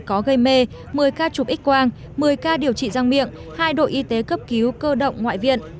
có gây mê một mươi ca chụp x quang một mươi ca điều trị răng miệng hai đội y tế cấp cứu cơ động ngoại viện